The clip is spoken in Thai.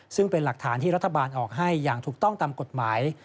ซึ่งเป็นหลักฐานที่รัฐบาลออกให้อย่างถูกต้องตามกฎหมาย